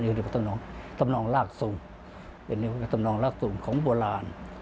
นี่คือสำนองสำนองรากสูงนี่คือสำนองรากสูงของโบราณ